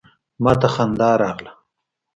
ما ته خندا راغله.